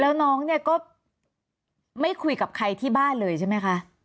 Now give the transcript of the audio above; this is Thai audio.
แล้วน้องเนี่ยก็ไม่คุยกับใครที่บ้านเลยใช่ไหมคะ